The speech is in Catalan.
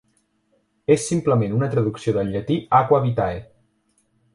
És simplement una traducció del llatí "aqua vitae".